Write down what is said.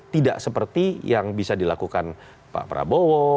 tidak seperti yang bisa dilakukan pak prabowo